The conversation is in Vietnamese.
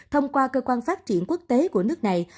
thông qua cơ quan phát triển quốc tế của nước này